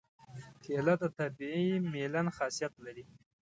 کېله د طبیعي ملین خاصیت لري.